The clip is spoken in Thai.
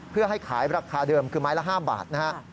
เพื่อให้ขายราคาเดิมคือไม้ละ๕บาทนะฮะ